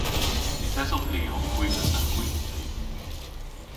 Yth esov vy ow hwilas an gwithti.